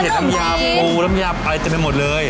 ลำยาปูลำยาไอจะไปหมดเลย